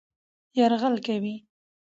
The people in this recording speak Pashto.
يرغل کوي